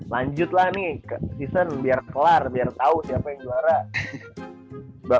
lanjut lah nih season biar kelar biar tau siapa yang juara